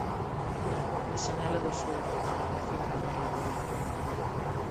Na xanela do sur, adormecido no parladoiro.